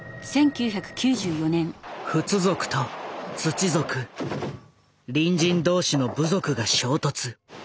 フツ族とツチ族隣人同士の部族が衝突。